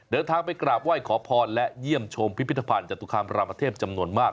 เดินทางไปกราบไหว้ขอพรและเยี่ยมชมพิพิธภัณฑ์จตุคามรามเทพจำนวนมาก